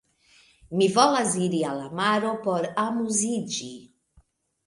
Mi volas iri al la maro por amuziĝi.